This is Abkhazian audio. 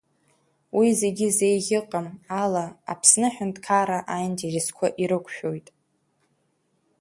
Уи зегьы зеиӷьыҟам ала Аԥсны Аҳәынҭқарра аинтересқәа ирықәшәоит.